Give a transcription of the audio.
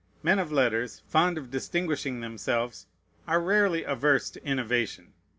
Men of letters, fond of distinguishing themselves, are rarely averse to innovation.